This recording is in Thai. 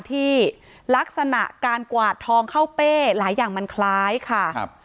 ที่ลักษณะการกวาดทองเข้าเป้หลายอย่างมันคล้ายค่ะครับ